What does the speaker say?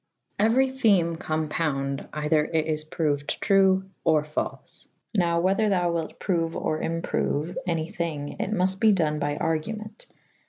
1 Euery theme compounde eyther it is prouyd true or falfe. Nowe whether thou wylt proue or improue any thinge it mufte be done by argument.